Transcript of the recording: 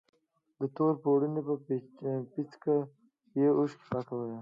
د تور پوړني په پيڅکه يې اوښکې پاکولې.